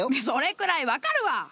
それくらい分かるわ！